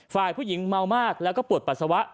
ฝ่ายผู้หญิงเมามากแล้วก็ปวดปัสสาวะ